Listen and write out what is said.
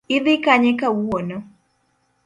Idhi Kanye kawuono?